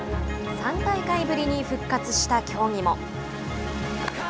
３大会ぶりに復活した種目も。